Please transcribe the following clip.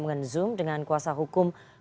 yang pertama kami datang ke tempat kafe